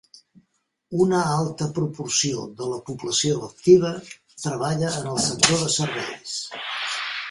Una alta proporció de la població activa treballa en el sector de serveis.